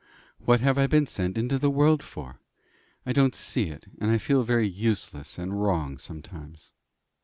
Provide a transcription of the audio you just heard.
What have I been sent into the world for? I don't see it; and I feel very useless and wrong sometimes."